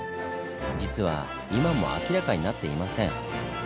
実は今も明らかになっていません。